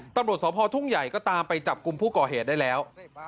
ตำรวจสพทุ่งใหญ่ก็ตามไปจับกลุ่มผู้ก่อเหตุได้แล้ว